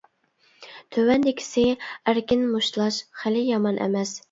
تۆۋەندىكىسى ئەركىن مۇشتلاش، خېلى يامان ئەمەس.